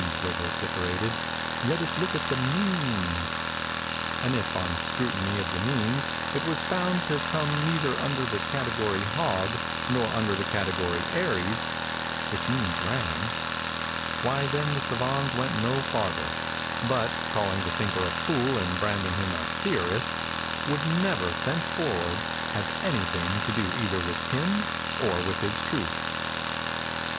they vociferated—'let us look at the means!'—and if, on scrutiny of the means, it was found to come neither under the category Hog, nor under the category Aries (which means ram), why then the savans went no farther, but, calling the thinker a fool and branding him a 'theorist,' would never, thenceforward, have any thing to do either with him or with his truths.